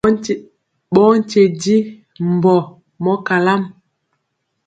Ɓɔɔ nkye njiŋ mbɔ mɔ kalam.